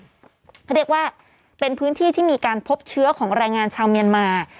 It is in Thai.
เขาเรียกว่าเป็นพื้นที่ที่มีการพบเชื้อของแรงงานชาวเมียนมา